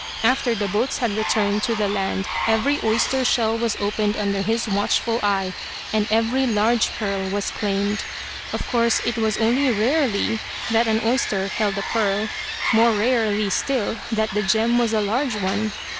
After the boats had returned to the land every oyster shell was opened under his watchful eye, and every large pearl was claimed. Of course it was only rarely that an oyster held a pearl, more rarely still that the gem was a large one.